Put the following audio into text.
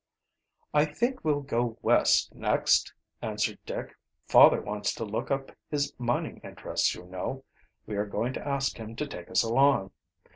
"I think we'll go West next," answered Dick. "Father wants to look up his mining interests, you know. We are going to ask him to take us along."